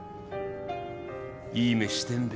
いい目してんべ。